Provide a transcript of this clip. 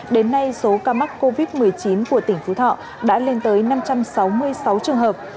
đến nay số ca mắc covid một mươi chín của tỉnh phú thọ đã lên tới năm trăm sáu mươi sáu trường hợp